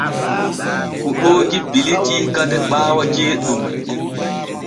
Kuɗooji bilitii kade ɓaawo ceeɗum.